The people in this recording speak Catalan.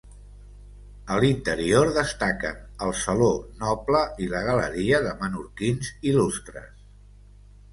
A l'interior destaquen el Saló Noble i la Galeria de Menorquins Il·lustres.